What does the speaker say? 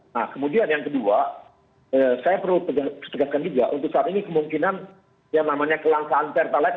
nah kemudian yang kedua saya perlu tegaskan juga untuk saat ini kemungkinan yang namanya kelangkaan pertalite